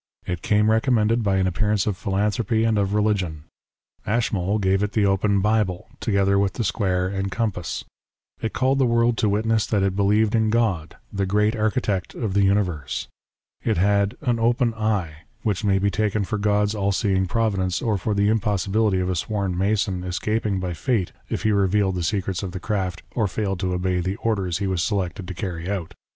It came recommended by an appearance of philanthropy and of religion. Ashmole gave it the open Bible, together with the square and compass. It called the world to witness that it believed in God, " the great Architect of the Universe." It had " an open eye," which may be taken for God's all seeing providence, or for the impossibility of a sworn Mason escaping his fate if he revealed the secrets of the craft or failed to obey the orders he was selected to carry out.